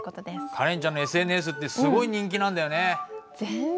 カレンちゃんのＳＮＳってすごい人気なんだよね。